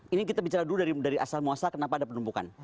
ini kita bicara dulu dari asal muasa kenapa ada penumpukan